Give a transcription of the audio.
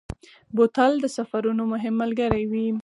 بوتل د سفرونو مهم ملګری وي.